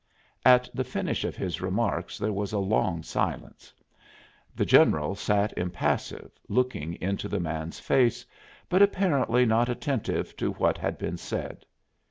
At the finish of his remarks there was a long silence. The general sat impassive, looking into the man's face, but apparently not attentive to what had been said.